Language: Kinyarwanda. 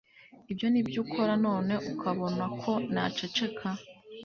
Ibyo ni byo ukora none ukabona ko naceceka?